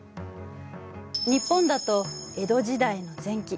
日本だと江戸時代の前期。